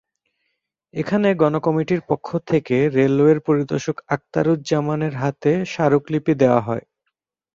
এখানে গণকমিটির পক্ষ থেকে রেলওয়ের পরিদর্শক আখতারুজামানের হাতে স্মারকলিপি দেওয়া হয়।